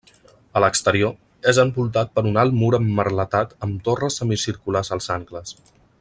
A l'exterior, és envoltat per un alt mur emmerletat amb torres semicirculars als angles.